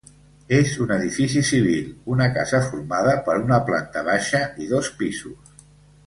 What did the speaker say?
És un edifici civil, una casa formada per una planta baixa i dos pisos.